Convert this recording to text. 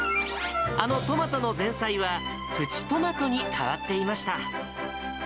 あのトマトの前菜は、プチトマトに変わっていました。